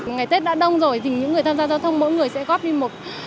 ngày tết đã đông rồi thì những người tham gia giao thông mỗi người sẽ góp đi một